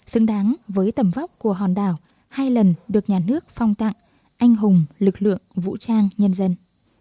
xứng đáng với tầm vóc của hòn đảo hai lần được nhà nước phong tặng anh hùng lực lượng vũ trang nhân dân